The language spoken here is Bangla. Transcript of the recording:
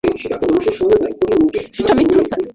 এটা মিথ্যা, স্যার।